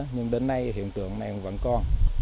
nhưng đến nay hiện tượng này vẫn còn